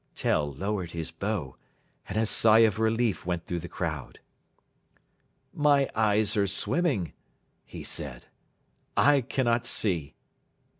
Tell lowered his bow, and a sigh of relief went through the crowd. "My eyes are swimming," he said; "I cannot see."